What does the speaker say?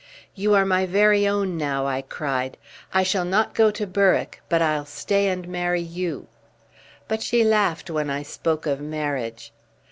"You are my very own now!" I cried. "I shall not go to Berwick, but I'll stay and marry you." But she laughed when I spoke of marriage.